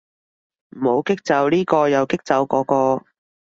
唔好激走呢個又激走嗰個